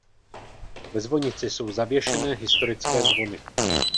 Ve zvonici jsou zavěšené historické zvony.